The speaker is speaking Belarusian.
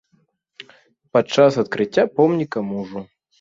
Падчас адкрыцця помніка мужу.